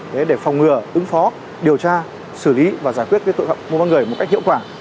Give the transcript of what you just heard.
để phòng ngừa ứng phó điều tra xử lý và giải quyết tội phạm mua bán người một cách hiệu quả